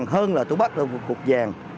hơn là tôi bắt được một cục vàng